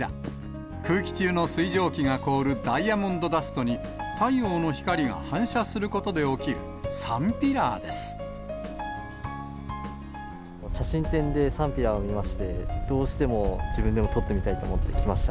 空気中の水蒸気が凍るダイヤモンドダストに太陽の光が反射するこ写真展でサンピラーを見まして、どうしても自分でも撮ってみたいと思って来ました。